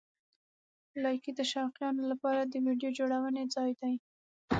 لایکي د شوقیانو لپاره د ویډیو جوړونې ځای دی.